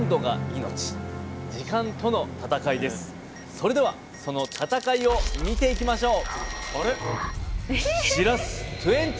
それではその戦いを見ていきましょう！